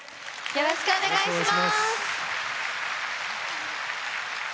よろしくお願いします！